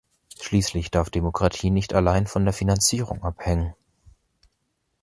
Schließlich darf Demokratie nicht allein von der Finanzierung abhängen.